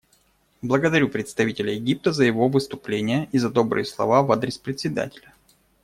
Благодарю представителя Египта за его выступление и за добрые слова в адрес Председателя.